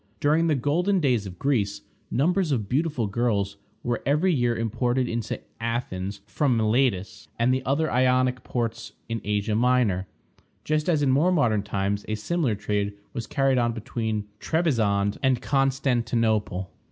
During the golden days of Greece, numbers of beautiful girls were every year imported into Athens from Miletus and the other Ionic ports in Asia Minor, just as in more modern times a similar trade was carried on between Trebizond and Constantinople.